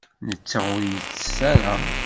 Netta ur yettess ara.